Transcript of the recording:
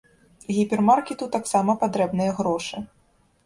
Гіпермаркету таксама патрэбныя грошы.